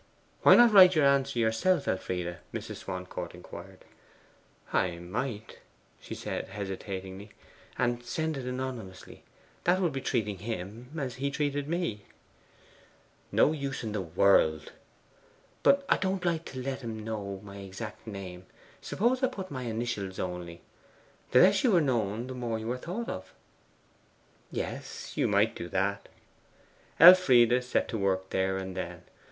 'Why not write your answer yourself, Elfride?' Mrs. Swancourt inquired. 'I might,' she said hesitatingly; 'and send it anonymously: that would be treating him as he has treated me.' 'No use in the world!' 'But I don't like to let him know my exact name. Suppose I put my initials only? The less you are known the more you are thought of.' 'Yes; you might do that.' Elfride set to work there and then.